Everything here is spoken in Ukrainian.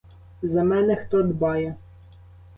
За мене хто дбає?